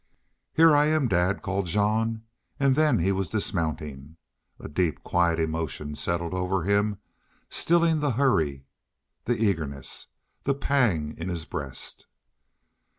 "Here I am, dad," called Jean, and then he was dismounting. A deep, quiet emotion settled over him, stilling the hurry, the eagerness, the pang in his breast.